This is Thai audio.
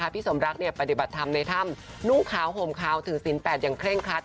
พี่สมรักปฏิบัติธรรมในถ้ำนุ่งขาวห่มขาวถือศิลปอย่างเร่งครัด